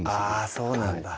そうなんだ